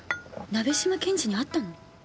鍋島検事に会ったの？